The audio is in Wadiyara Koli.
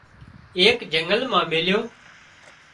ايڪ جنگل مان ميليو